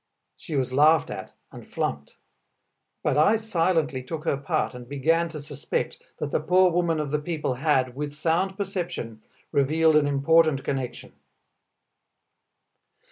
She was laughed at and "flunked." But I silently took her part and began to suspect that the poor woman of the people had, with sound perception, revealed an important connection.